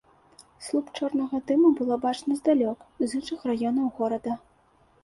Слуп чорнага дыму было бачна здалёк, з іншых раёнаў горада.